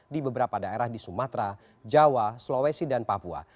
di beberapa daerah di sumatera jawa sulawesi dan papua